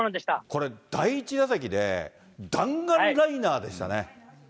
これ、第１打席で、弾丸ライナーでしたね。